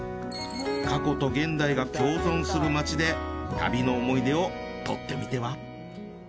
過去と現代が共存する街で旅の思い出を撮ってみては？